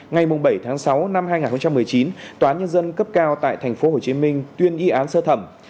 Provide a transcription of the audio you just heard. ngày bảy tháng sáu năm hai nghìn một mươi chín tòa nhân dân cấp cao tại thành phố hồ chí minh tuyên y án sơ thẩm